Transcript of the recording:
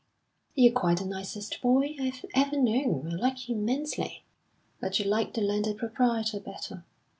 "You're quite the nicest boy I've ever known. I like you immensely." "But you like the landed proprietor better.